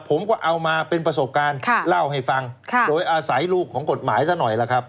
ผมก็เอามาเป็นประสบการณ์เล่าให้ฟังโดยอาศัยลูกของกฎหมายซะหน่อยล่ะครับ